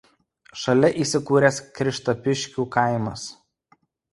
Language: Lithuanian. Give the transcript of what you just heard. Šalia įsikūręs Krištapiškių kaimas.